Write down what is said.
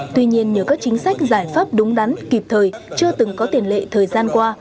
tuy nhiên nhờ các chính sách giải pháp đúng đắn kịp thời chưa từng có tiền lệ thời gian qua